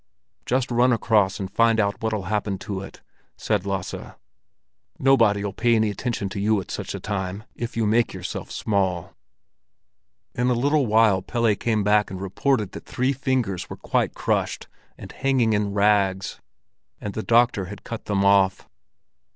"Just run across and find out what'll happen to it!" said Lasse. "Nobody'll pay any attention to you at such a time, if you make yourself small." In a little while Pelle came back and reported that three fingers were quite crushed and hanging in rags, and the doctor had cut them off.